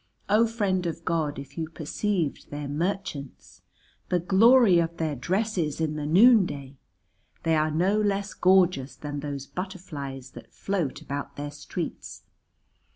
O Friend of God, if you perceived their merchants! The glory of their dresses in the noonday! They are no less gorgeous than those butterflies that float about their streets.